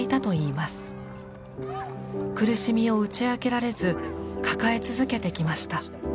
苦しみを打ち明けられず抱え続けてきました。